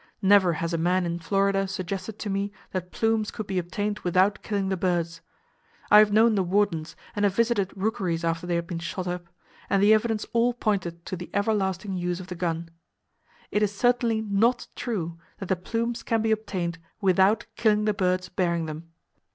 Never has a man in Florida suggested to me that plumes could be obtained without killing the birds. I have known the wardens, and have visited rookeries after they had been 'shot up,' and the evidence all pointed to the everlasting use of the gun. It is certainly not true that the plumes can be obtained without killing the birds bearing them.